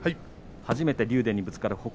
初めて竜電にぶつかる北